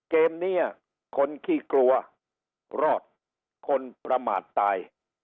เกมนี้คนขี้กลัวรอดคนประมาทตาย